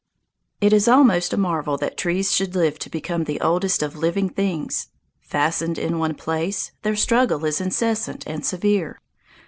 It is almost a marvel that trees should live to become the oldest of living things. Fastened in one place, their struggle is incessant and severe.